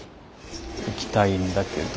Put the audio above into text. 行きたいんだけど。